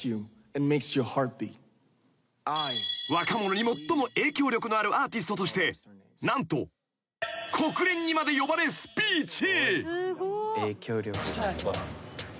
［若者に最も影響力のあるアーティストとして何と国連にまで呼ばれスピーチ］